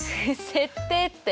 設定って。